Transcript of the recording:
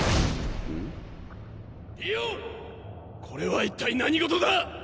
これは一体何事だ！